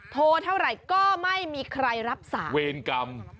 โทรเท่าไหร่ก็ไม่มีใครรับสายเวรกรรม